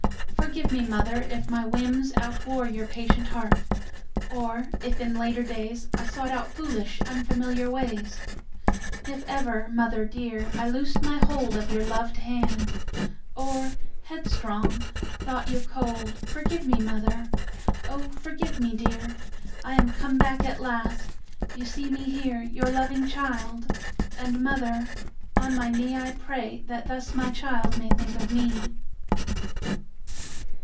Forgive me, mother, if my whims outwore Your patient heart. Or if in later days I sought out foolish unfamiliar ways; If ever, mother dear, I loosed my hold Of your loved hand; or, headstrong, thought you cold, Forgive me, mother! Oh, forgive me, dear! I am come back at last you see me here, Your loving child. ... And, mother, on my knee I pray that thus my child may think of me!